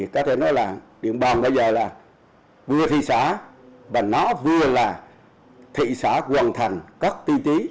các thầy nói là điện bàn bây giờ là vừa thị xã và nó vừa là thị xã hoàn thành các ti tí